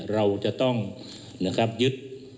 เราจะต้องยึด